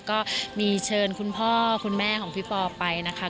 ก็มีเชิญคุณพ่อคุณแม่ของพี่ปอไปนะคะ